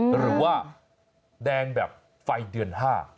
หรือว่าแดงแบบไฟเดือน๕